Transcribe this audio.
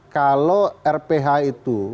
kalau rph itu